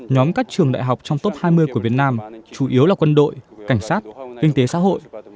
nhóm các trường đại học trong top hai mươi của việt nam chủ yếu là quân đội cảnh sát kinh tế xã hội